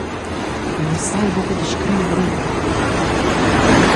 Jeu sai buca descriver ella!